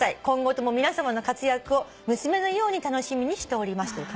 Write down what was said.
「今後とも皆さまの活躍を娘のように楽しみにしております」